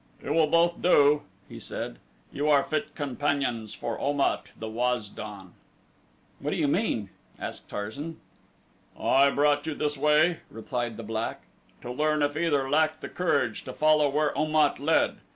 "You will both do," he said. "You are fit companions for Om at, the Waz don." "What do you mean?" asked Tarzan. "I brought you this way," replied the black, "to learn if either lacked the courage to follow where Om at led.